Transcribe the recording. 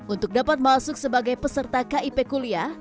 untuk dapat masuk sebagai peserta kip kuliah